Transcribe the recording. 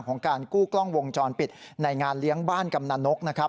การกู้กล้องวงจรปิดในงานเลี้ยงบ้านกำนันนกนะครับ